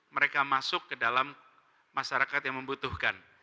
mereka masuk ke dalam masyarakat yang membutuhkan